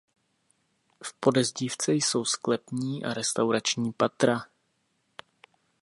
V podezdívce jsou sklepní a restaurační patra.